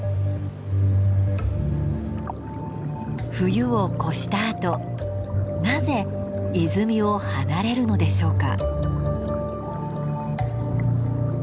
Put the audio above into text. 冬を越したあとなぜ泉を離れるのでしょうか？